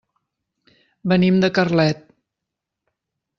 Venim de Carlet.